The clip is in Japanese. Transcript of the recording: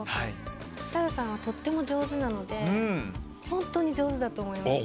設楽さんはとても上手なので本当に上手だと思います。